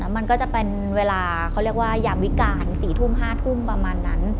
มันก็จะเป็นเวลาเขาเรียกว่ายามวิการ๔ทุ่ม๕ทุ่มประมาณนั้น